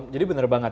jadi benar banget